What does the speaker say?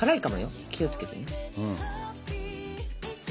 気を付けてね。